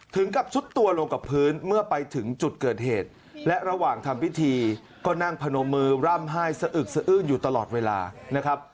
ถึงกับซุดตัวลงกับพื้นเมื่อไปถึงจุดเกิดเหตุและระหว่างทำพิธีก็นั่งพนมมือร่ำไห้สะอึกสะอื้นอยู่ตลอดเวลานะครับ